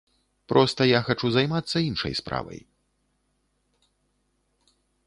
Проста я хачу займацца іншай справай.